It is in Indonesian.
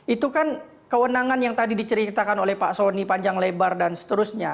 itu kan kewenangan yang tadi diceritakan oleh pak soni panjang lebar dan seterusnya